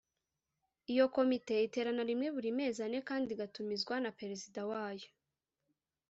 Iyo Komite iterana rimwe buri mezi ane kandi igatumizwa na Perezida wayo.